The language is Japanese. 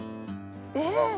えっ？